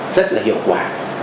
rất là hiệu quả